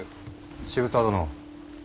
渋沢殿